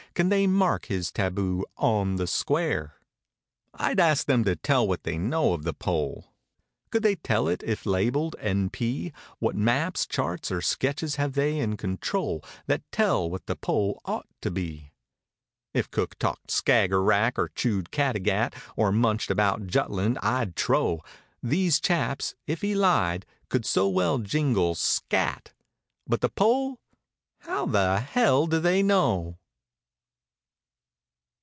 Can they mark his taboo "on the square." I'd ask them to tell what they know of the pole. Could they tell it if labeled "N. P." What maps, charts or sketches have they in control That tell what the pole ought to be. If Cook talked Skager Rack or chewed Categat, Or munched about Jutland, I'd trow These chaps (if he lied) could so well jingle "scat"— But the pole—^how the hell do they know?